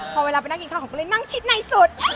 พอเวลาไปนั่งกินข้าวอ่ะเค้าเลยนั่งชิดในนี่สุด